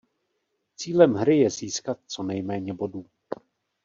Cílem hry je získat co nejméně bodů.